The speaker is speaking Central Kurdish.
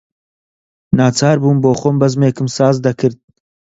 ناچار بووم بۆخۆم بەزمێکم ساز دەکرد